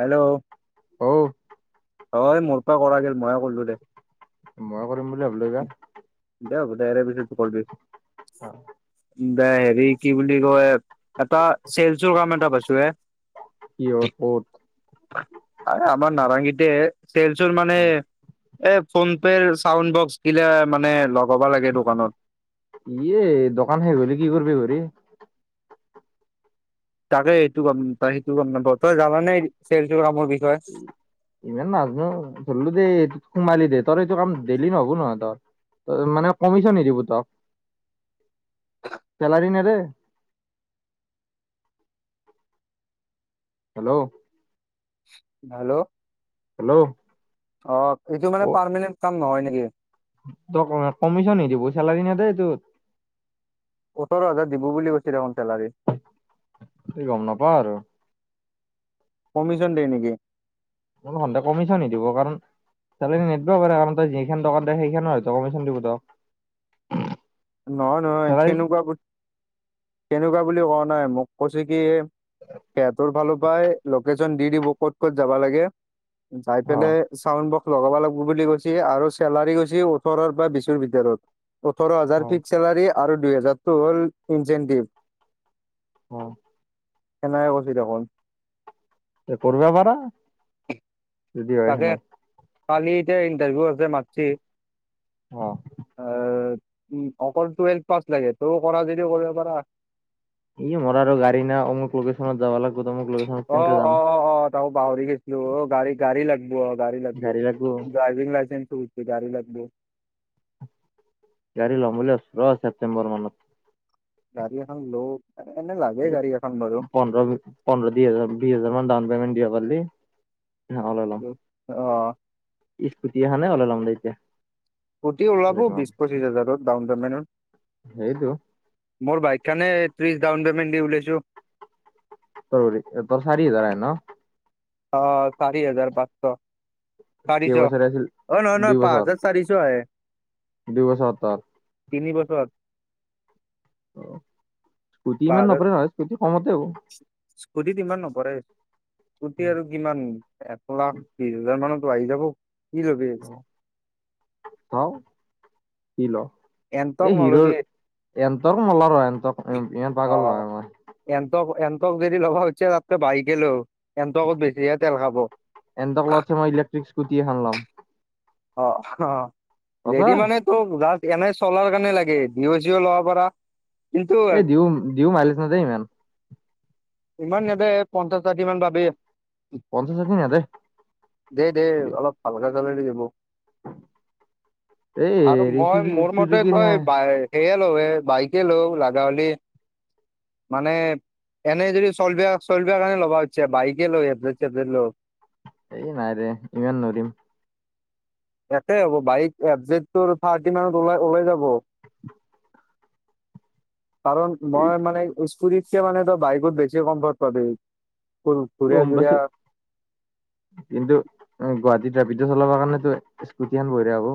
Hello? অ অ', মোৰ পৰা কৰা গেল, মইয়ে কৰিলো দে। মই কৰিম বুলি ভাবিলো এইবাৰ। দে হ'ব দে ইয়াৰে পিছত কৰবি। অ'। দে হেৰি কি বুলি কয় এটা চেলচৰ কাম এটা পাইছো হে। কিহত, ক'ত? আৰে আমাৰ নাৰেংগীতে, চেলচৰ মানে এ ফোন পেৰ চাউণ্ড বক্স গিলা মানে লগাবা লাগে দোকানত। এই দোকান শেষ হ'লি কি কৰিবি ঘূৰি? তাকে এইটো কাম সেইটো গ'ম নাপাওঁ, তই জানানে চেলচৰ কামৰ বিষয়ে? ইমান নাজনু ধৰিলো দেই এইটোত সোমালি দে তোৰ এইটো কাম ডেইলী নহ'ব নহয় তোৰ? মানে কমিশন দিব তোক, চেলাৰী নেদে? হেল্ল'? হেল্ল'? হেল্ল'? অ', এইটো মানে অ পাৰমানেণ্ট কাম নহয় নেকি? তোক অ', কমিশন নি দিব, চেলাৰী নেদেই এটোত। ওঠৰ হাজাৰ দিব বুলি কৈছে দেখোন চেলাৰী। সেই গ'ম নাপাও আৰু। কমিশন দিয়ে নেকি? কোনো [unintelligible] কমিশন নিদিব কাৰণ চেলেৰী নিদিব পাৰে কাৰণ তই যিখন দোকান দে সেইখনৰ হে তোক কমিশন দিব তোক। [inaudible] নহয় নহয় চেলাৰী সেনেকুৱা, সেনেকুৱা বুলি কোৱা নাই মোক কৈছে কি সেহতৰ ফালৰ পৰাই লোকেচন দি দিব ক'ত ক'ত যাবা লাগে? যায় অ পেলাই চাউণ্ড বক্স লগাব লাগিব বুলি কৈছে আৰু চেলাৰি কৈছে ওঠৰৰ পৰা বিশৰ ভিতৰত, ওঠৰ হা অ ফিক্স চেলাৰী আৰু দুই হেজাৰটো হ'ল ইনচেন্টিভ। উম। সেনাই কৈছ দেখোন। এই কৰব পাৰা। যদি হয় তাকে, সেনে কালি এতিয়া ইণ্টাৰভিউ আছে মাতছি? অ। আহ, উম অকল টুৱেল পাছ লাগে। তইয়ো কৰা যদিও কৰিব পাৰা। ই মোৰ আৰু গাড়ী না, অমুক লোকেশনত যাব লাগিব, তমুক লকে অ- অ- অ- অ, তাহো পাহৰি গৈছিলো, অ গাড়ী- গাড়ী লাগব, অ, গাড়ী লাগব গা ড্ৰাইভিং লাইচেনচটো গাড়ী লাগিব। গাড়ী লম বুলি আছো, ৰ ছেপ্তেম্বৰ মানত। গাড়ী এখন ল এনে লাগে গাড়ী এখন বাৰু পন্ধৰ- পন্ধৰ দু হাজাৰ, বিশ হাজাৰ মান ডাউন পেমেন্ট দিব পাৰিলি। ন, ওলাই ল'ম, অ স্কুটি এখানে ওলাই ল'ম দে এতিয়া। কটি ওলাব বিশ - পঁচিশ হাজাৰত ডাউন পেমেণ্টত। সেইটো। মোৰ বাইকখানে ত্ৰিছ ডাউন পেমেণ্ট দি ওলাইছো। ত ধৰি, ত' চাৰি হাজাৰায় ন? অ, চাৰি হাজাৰ পাঁচশ, চাৰিশ অ, কেইবছৰ আছিল নহয়- দুই নহয় পাঁচ বছৰ হাজাৰ। চাৰিছ হে। দুই বছৰ তাত। তিনি বছৰত। অ, স্কুটি পাঁচ ইমান হাজাৰ নপৰে নহয়, স্কুটি কমতে হ'ব। স্কুটিত ইমান নপৰে। স্কটি আৰু কিমান? এক লাখ বিশ হাজাৰ মানত আহি যাব। কি ল'বি? চাও কি ল'ম। এনটক এই নলবি হিৰ'ৰ, এতৰ নলৱ, ইমান পাগল নহয় মই। এন্তটক- এনটক যদি ল'ব খুজিছা, তাতচে বায়েকে ল'। এটকত বেছিহে তেল খাব। এনেট লোৱাছে মই ইলেক্ট্ৰিক স্কুটি এখন ল'ম। অ- অ, সঁচা যদি মানে তোক জা এনে চলাৰ কাৰণে লাগে নিঅ'- চিঅ' ল'ব পাৰা। কিন্তু এই দিও - দিও মাইলিছ নাযায় ইমান। ইমান নেদে, পঞ্চাছ- ষাঠি মান পাৱে। পঞ্চাছ- ষাঠি নাযায়। দেই- দেই অলপ হালকা টাইপ আহিব। [unintelligible] আৰু হেৰি মই চুজু মোৰ মতে চুজুকিৰ হে তই বাই সেয়ে লও, এ বাইকে লও লাগা হ'লে। মানে- এনেই যদি চলিব কাৰণে ল'ব খুজিছা। বিকে ল এফে জে দেট ল। এই নাইৰে, ইমান নোৱাৰিম। একে হ'ব, বাইক এফজেত থাৰ্টি মানত ওলাই- ওলাই যাব। [unintelligible] কাৰণ এই মই মান স্কুতিতছে মানে ত' বাইকত বেছি কমফৰ্ট পাবি। ঘুৰিয়া গম চুৰিয়া পাইছোঁ। কিন্তু গুৱাহাটীত ৰেপিড'টো চলাবৰ কাৰণেটো স্কুটিখন বঢ়িয়া হ'ব।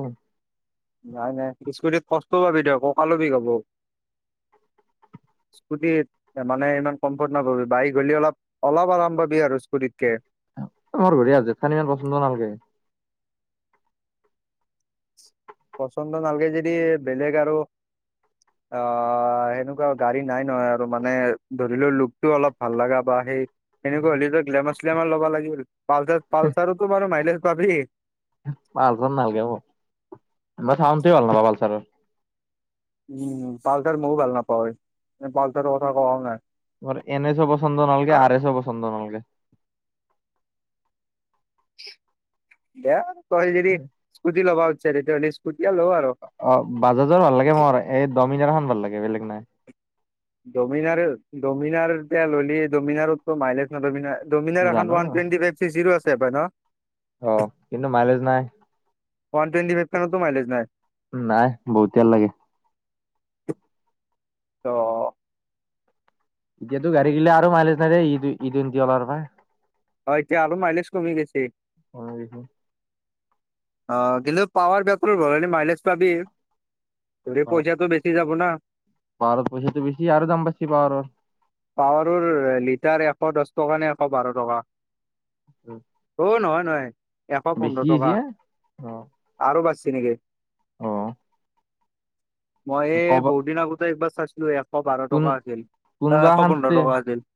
নাই- নাই, স্কুতিত কষ্ট পাবি তই, ককাললো বিষ হ'ব। স্কুটিত মানে ইমান কমফৰ্ট নাপাবি। বাইক হ'লে অলপ অলপ আৰাম পাবি আৰু স্কুটিতকে। আমাৰ ঘৰে আছে। খালি ইমান পচন্দ নালাগে। পচন্দ নালাগে যদি বেলেগ আৰু অ, সেনেকুৱা গাড়ী নাই নহয় আৰু মানে ধৰি ল লুকটো অলপ ভাল লাগা বা সেই এনেকুৱা হলেটো গ্লেমাৰ চেলেমাৰ ল'ব লাগিল। পালচাৰ পালচাৰতো বাৰু মাইলেচ পাবি। পালচাৰ নালাগে মোক। মই [unintelligible] উম পালচাৰ মও ভাল নাপাওঁয়ে। [unintelligible] পালচাৰ কথা কোৱাও নাই। মোৰ এন এছ' পচন্দ নালাগে, আৰ এছ' পচন্দ নালগে। দিয়া তই যদি স্কুটি ল'বা খুজিছা, তেতিয়াহ'লে স্কুটি ল আৰু। অ বাজাজৰ ভাল লাগে মোৰ, এ ডমিনাৰ খন ভাল লাগে। বেলেগ নাই। ডমিনাৰ ডমিনাৰ এতিয়া ল'লি। ডমিনাৰত মাইলেজ নাপাবি নহয়। ডমিনাৰ এখন জানো ওৱান টোৱেণ্টি ফাইভ চিচিৰো আছে পাই ন? অ, কিন্তু মাইলেজ নাই। ওৱান টোয়েনটিফাইভ খনতো মাইলেছ নাই। নাই বহুটিয়াল লাগে। অ। এতিয়াটো গাৰি গিলা আৰু মাইলেজ নাই [unintelligible] হয়, এতিয়া আৰু মাইলেজ কমি গৈছে। হয়, ইটো অ, কিন্তু পাৱাৰ [unintelligible] ভৰাই দিম মাইলেজ পাবি। তুৰ এ পইচাটো বেছি যাব না। পাহাৰত পইচাটো বেছি আৰু দাম [unintelligible] আৰু। পাৱাৰৰ লিটাৰ এশ দচ টকা নে এশ বাৰ টকা। উম। অঁ নহয় নহয়। এশ বেছি পোন্ধৰ টকা হৈছে? অ। আৰু বাচছি নেকি? অ। মই এ বহুত দিন আগতে একবাৰ চাইছিলো এশ বাৰ কোন টকা আছিল, এশ পোন্ধৰ টকা আছিল।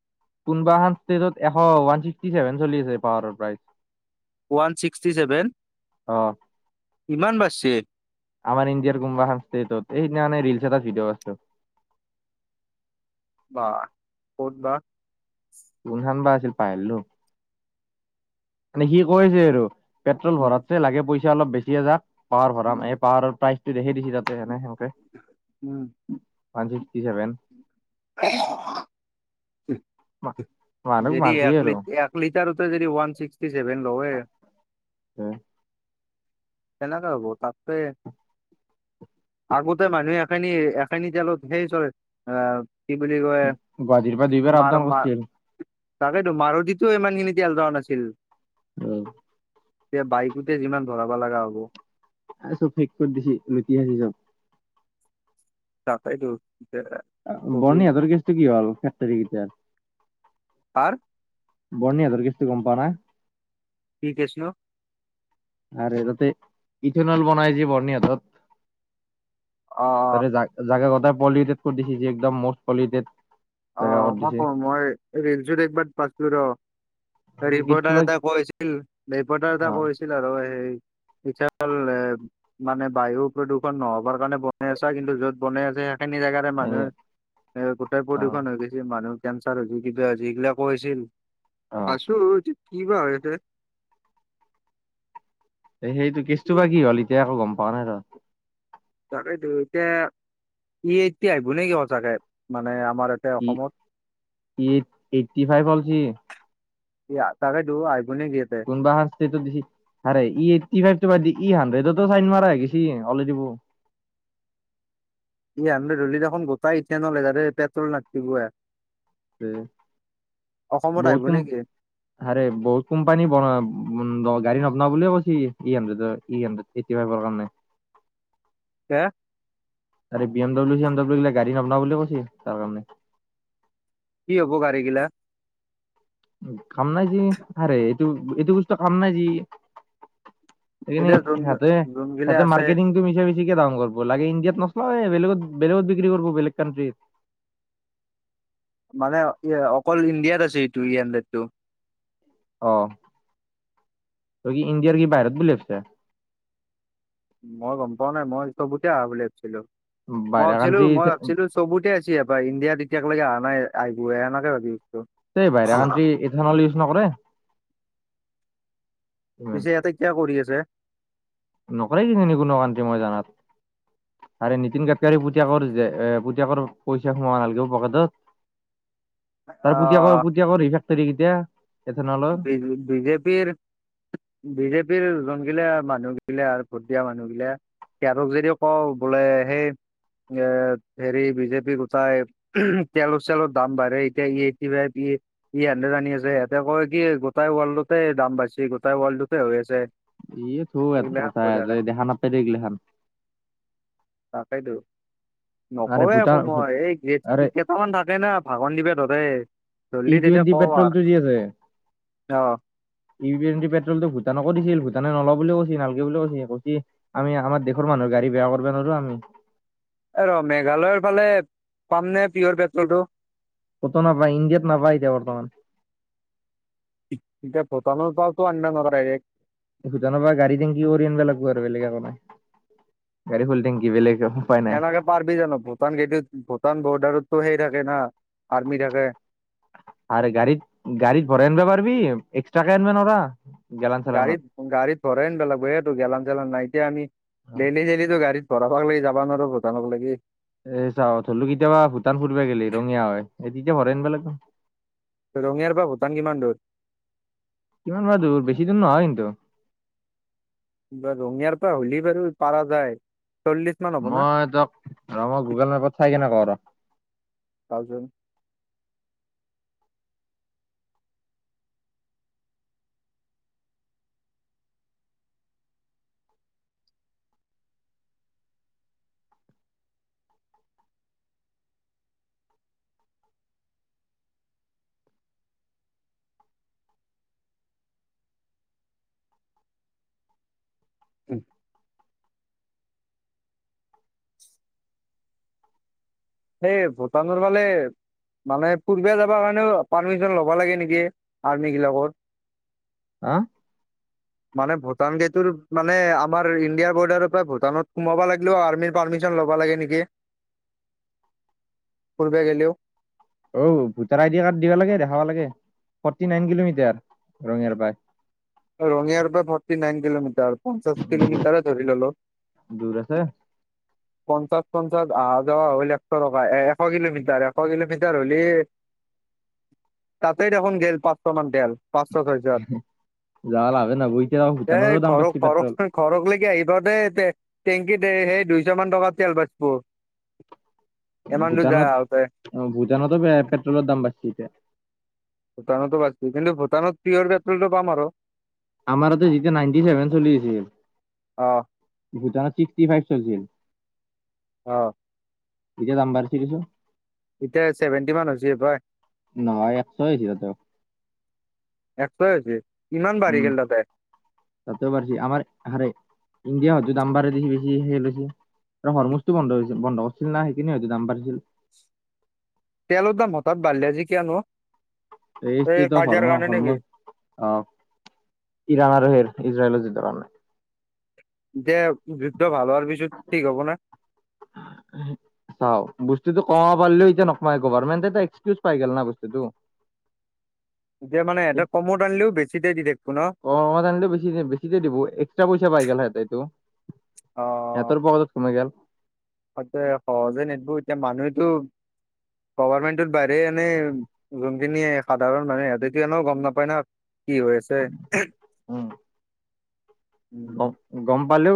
কোনোবা এখন ষ্টেজত এশ ওৱান ছিক্সটি ছেভেন চলি আছে পাৱাৰৰ প্ৰাইচ। ওৱান ছিক্সটি ছেভেন, অ ইমান বাচছে? আমাৰ ইণ্ডিয়াৰ কুম্বা এখন ষ্টেটত, এই সিদিনা মানে ৰিলছ এটা ভিডিঅ। [unintelligible] বা! ক'ত বা? কোন ধান বা আছিল পাহৰিলো? মানে সি কৈছে আৰু, পেট্ৰল উম ভৰাতছে লাগে পইচা অলপ বেছিয়ে যাক পাৱাৰ ভৰাম। উম এই পাৱাৰৰ প্ৰাইচ দেখি [unintelligible] তাতে এনে সেনকে। উম। One sixty seven. [unintelligible] মানুহক যদি মাৰছি এক আৰু লি এক লিটাৰতে যদি ওৱান ছিক্সটি ছেভেন লয়। [unintelligible] কেনেকে হ'ব? তাতে আগতে মানুহে এখিনি এ খেনী তেলত সেই চৰে আ কি বুলি কয়, গুৱাহাটীৰ পৰা দুইবাৰ আপ মাৰ ডাউন মা কৰিছিল তাকেতো, মাৰুতিতো ইমানখিনি তেল যোৱা নাছিল। উম। এতিয়া বাইকোতে যিমান ভৰাব লগা হ'ব। আৰু চব শেষ কৰি দিছ লুটি আছে চব। তাকাইটো দিয়া। বৰ্ণি আগৰ কেছটো কি হ'ল এক তাৰিখ এতিয়া। কাৰ? বৰ্নি আজৰ কেছটো গম পোৱ না? কি কেছ ন? আৰে তাতে ইথেনল বনাই যে বৰ্নিহাতৰ। অ তাৰে জা জাগা কটাই পলিউটেড কৰি দিছে একদম মষ্ট পলিউটেড। জাগা অঁ কৰি দিছে হক মই ৰিলজুত একবাৰ পাইছোঁ ৰ! এই কেছটো ৰিপৰ্টাৰ বা এটা কৈছিল, ৰিপৰ্টাৰ এটা অ কৈছিল আৰু সেই- ইথানল লে- মানে বায়ু প্ৰদূষণ নহবৰ কাৰণে বনাই আছা কিন্তু য'ত বনাই আছে সেইখিনি জেগাত- এ এই মানুহে, এ গোটেই অ প্ৰদূষণ হয় - ত বেছি মানুহ কেনচাৰ হৈছে কিবা হৈছে সেইগিলাকো হৈছিল, অ পাছো যে- কিবা হয়ঁ ইয়াতে? এ সেইটো কেচটোৰ পৰা কি হ'ল এতিয়া একো গম পোৱা নাই ৰ? তাকেইটো এতিয়া ই এতিয়া আহিব নেকি সঁচাকে মানে আমাৰ এতিয়া ই অসমত? ই এইটি ফাইভ অলচি। ইয়া তাৰে দু আইফুনে দি আছে। বা হাতচে তো দিহি, হাৰেই ই এইটটি ফাইভ তোমাৰ দিহি হাড্ৰেডতো চাইন মাৰা হে গিছি অলৰেদি মোৰ। ই হানড্ৰেড ধলিত এখন গোটাই ইথেনলে তাতে পেট্ৰল নাটিব আও- বহুত অসমত বহুত আহিব কোম নেকি? আৰে বহুত কোম্পানী বনা ব গাড়ী নবনা বুলি কৈছি ই হানড্ৰেডৰ ই হান - এইটি ফাইভৰ কাৰণে। এয়া - আৰে B M W C M W গিলা গাড়ী নবনা বুলি কৈছে তাৰ কাৰণে। কি হব গাড়ীগিলা? কাম নাই যি, আৰে এইটো এইটো বস্তু কাম নাই যি- এনেই এতিয়া যোন যোনগিলা ইয়াতে আছে মাৰ্কেটিং- মিছা মিছি কে দাম কৰিব লাগে ইণ্ডিয়াত নচলায়ে বেলেগ বেলেগত বিক্ৰী কৰিব বেলেগ কানট্ৰিত। মানে অকল ইণ্ডিয়াত আছে এইটো ই হানড্ৰেড টো- অঁ তই কি ইণ্ডিয়াৰ কি বাহিৰত বুলি ভাবিছা। মই গম পোৱা নাই মই চবুতে আহা বুলি ভাবিছিলোঁ মই বাহিৰা ভাবিছিলোঁ কাণ্ট্ৰি মই এই ভাবিছিলোঁ- চবুতে আছে ইয়াৰ পৰা ইণ্ডিয়াত এতিয়ালৈকে অহা নাই আহিবহে এনেকে ভাবি- এই বাহৰা কানত্ৰি ইথান'ল ইউজ নকৰে। ইমান। পিছে ইয়াতে কিয় কৰি আছে। নকৰে কিজানি কোনো কানত্ৰি মই জানাত। আৰে নীতিন গাডকাৰী পুতেকৰ যে এ পুতেকৰ পইচা সোমাব নালাগে পকেটত। [unintelligible] তাৰ পুতেকৰ আহ পুতেকৰ কৰ ফেক্টৰী কেইতা- বিজেপিৰ- বিজেপিৰ যোন গিলা মানুহ গিলা আৰু ভোট দিয়া মানুহগিলা- তেওঁলোক যদি কওঁ বোলে সেই এ হেৰি বিজেপি গোটাই- তেলৰ চেলৰ দাম বাঢ়ে এতিয়া ই এইটটি ফাইভ ই ই হাড্ৰেড আনি আছে সিহঁতে কয়- কি গোটাই ৱল্ডতে দাম বাঢ়িছে গোটাই ৱৰ্ল্ডোতে হৈ আছে। [unintelligible] সেইগিলাখান কৈ দেখা নাপাই দে গিলাখন। তাকেতো আৰে নকওঁয়ে একো ভূটান মই আৰে খন থাকে ন ভাগন দিবে ধতে ই ধৰিলি তেতিয়া টুৱেণ্টি কওঁ আৰু। [inaudible] অ'। ই পি পেট্ৰলটো ভূটানক দিছিল ভুটানে নলওঁ বুলিও কৈছে নালাগে বুলি কৈছে। কৈছে আমি আমাৰ দেশৰ মানুহৰ গাড়ী বেয়া কৰিব নোৱাৰো আমি। অ', ৰ'হ মেঘালয়ৰ ফালে পাম নে পিয়ৰ পেট্ৰলটো? ক'তো নাপায় ইণ্ডিয়াত নাপায় এতিয়া বৰ্তমান। এতিয়া ভুটানৰ পৰাটো আনিব নোৱাৰে ডাইৰেক্ট। ভূটানৰ পৰা গাড়ী টেংকি কৰি আনিব লাগিব আৰু বেলেগ এক নাই গাড়ী ফুল টেংকি বেলেগ আৰু। এনেকে পাৰবি জানো ভূটান গেটত ভূটান বৰ্ডাৰতো সেই থাকে না আৰ্মি থাকে। আৰে গাড়ীত গাড়ীত ভৰাই আনিব পাৰিবি এক্সট্ৰাকে আনিব নোৱাৰা। গেলান চেলানত। গাড়ীত গাড়ীত ভৰাই আনিব লাগিব গেলান চেলান নাই নিয়া আমি। ডেইলি ডেইলি গাড়ীত ভৰাব লাগি যাব নোৱাৰি ভুটানক লাগি। এ চাওঁ হ'লো কেতিয়াবা ভূটান ফুৰিব গ'লে ৰঙিয়া হয় এই তেতিয়া ভৰাই আনিব লাগিব। ৰঙিয়াৰ পৰা ভূটান কিমান দূৰ? কিমান মান দূৰ বেছি দূৰ নহয় কিন্তু। ৰঙিয়াৰ পৰা হ'লে বাৰু পৰা যায়। চল্লিশ মান হ'ব না মই তোক ৰ'হ মই গুগল মেপত চাই কেনে কম ৰ'হ। চাওঁচোন। সেই ভূটানৰ ফালে মানে ফুৰিব যাব কাৰণেও পাৰ্মিচন ল'ব লাগে নেকি আৰ্মিবিলাকৰ? হা? [inaudible] মানে ভূটান গেইটৰ মানে আমাৰ ইণ্ডিয়াৰ বৰ্ডাৰৰ পৰা ভূটানত সোমাব লাগিলেও আৰ্মিৰ পাৰ্মিচন ল'ব লাগে নেকি? ফুৰিব গ'লেও। অও ভোটাৰ আইডি কাৰ্ড দিবা লাগে দেখাব লাগে, ফৰ্টি নাইন কিলোমিটাৰ ৰঙিয়াৰ পৰা। ৰঙিয়াৰ পৰা ফৰ্টি নাইন কিলোমিটাৰ পঞ্চাশ কিলোমিটৰ ধৰি ল'লো। দূৰ আছে। পঞ্চাশ পঞ্চাশ অহা যোৱা হ'ল এশ টকা এশ কিলোমিটাৰ। এশ কিলোমিটাৰ পাৰ হ'লে তাতে দেখোন গ'ল পাঁচশ মান তেল। পাঁচ ছয়শ হজাৰ যাৱা লাভে নহব এতিয়া এ ভূটানৰো দাম ঘৰ বাঢ়ছি ঘৰ পেট্ৰল ঘৰক লৈকে আহি পাওঁতে টেংকিত সেই দুই টকা মান তেল বাছিব। আহোতে ভূটানত অ' ভূটানতো পেট্ৰলৰ দাম বাঢ়িছে এতিয়া। ভূটানতো বাঢ়িছে কিন্তু ভূটানত প্ৰীয়ৰ পেট্ৰলটো পাম আৰু। আমাৰ তাতে যেতিয়া নাইনটি চছেভেন চলি অ আছিল ভূটানত ছিক্সটি ফাইভ চলিছিল। অ'। তেতিয়া দাম বাঢ়িছিলেটো। এতিয়া চছেভেণ্টি মান হৈছে পায়। নহয় একশয়ে সিহঁতৰ। একশয়ে আছে ইমান বাঢ়ি উম গেল তাতে। তাতেও পাৰছে আমাৰ হাৰে ইণ্ডিয়া হয়তো দাম বাঢ়ে দিছি বেছি সেইদেখি আৰু হৰমুজটো বন্ধ হৈছিল। বন্ধ কৰিছিল না সেইখিনি হয়তো দাম বাঢ়িছিল। তেলৰ দাম হঠাৎ বাঢ়লা যি কিয়নো। এই ষ্ট্ৰেইট অৱ হৰ কাজিয়াৰ কাৰণে হৰম নেকি অ' ইৰান আৰু সেৰ ইজৰাইল যুদ্ধৰ কাৰণে। যে যুদ্ধ ভাল হোৱাৰ পিছত ঠিক হ'ব না। চাওক বস্তুটো কমাবা পাৰিলও এতিয়া নকমাই গভমেন্টে এটা এক্সকিউজ পাই গেল না বস্তুটো। যে মানে এহেঁতে কমত আনিলেও বেছিতে দি থাকিব ন। অ' কমত আনিলো বেছিতে বেছিতে দিব এক্সটা পইচা গল সেহেঁতে ইটো। অ সেহেঁতৰ পকেটত সোমাই গেল। সেহেঁতে সহজে নিদিব এতিয়া মানুহেতো গভমেণ্টৰ বাহিৰে এনেই যোনখিনি সাধাৰণ মানুহে সিহঁতেটো এনেও গম নাপায় না। কি হৈ আছে। উম গম গম পালেও